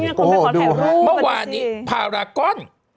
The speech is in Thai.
โอ้โฮดูมันเป็นจริงเมื่อวานนี้ภาระก้อน